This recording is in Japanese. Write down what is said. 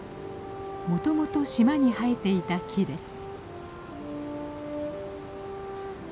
もともと島に生えていた木です。